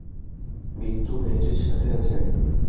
বিট্টু মেয়েটির সাথে আছে?